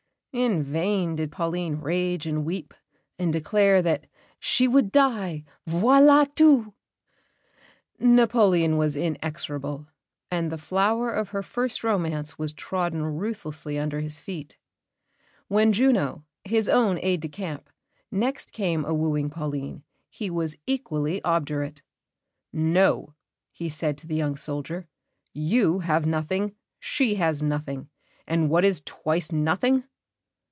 In vain did Pauline rage and weep, and declare that "she would die voilà tout!" Napoleon was inexorable; and the flower of her first romance was trodden ruthlessly under his feet. When Junot, his own aide de camp, next came awooing Pauline, he was equally obdurate. "No," he said to the young soldier; "you have nothing, she has nothing. And what is twice nothing?"